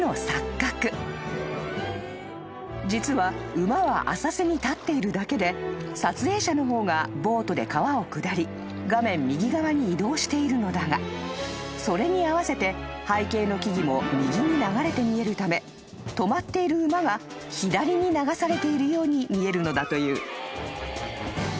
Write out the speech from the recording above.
［実は馬は浅瀬に立っているだけで撮影者の方がボートで川を下り画面右側に移動しているのだがそれに合わせて背景の木々も右に流れて見えるため止まっている馬が左に流されているように見えるのだという］